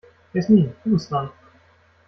Jasmin, du bist dran.